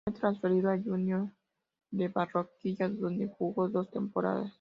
Fue transferido a Junior de Barranquilla, donde jugó dos temporadas.